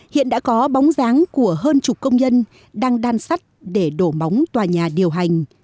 hiện đã có bóng dáng của hơn chục công nhân đang đan sắt để đổ móng tòa nhà điều hành